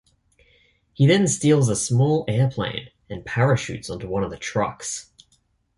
He then steals a small airplane and parachutes onto one of the trucks.